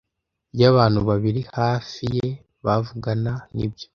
y'abantu babiri hafi ye bavugana. Nibyo